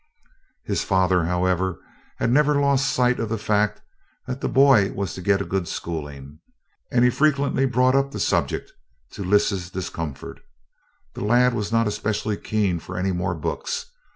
His father, however, had never lost sight of the fact that the boy was to get a good schooling and frequently brought up the subject, to "Lys's" discomfort. The lad was not especially keen for any more books.